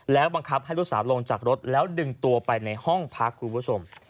แล้วบังคับให้ลูกสาวลงจากรถแล้วดึงตัวไปในห้องพักคุณผู้ชม